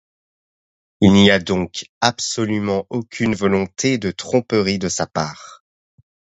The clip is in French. Il n'y a donc absolument aucune volonté de tromperie de sa part.